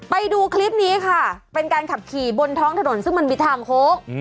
ไปดูคลิปนี้ค่ะเป็นการขับขี่บนท้องถนนซึ่งมันมีทางโค้ง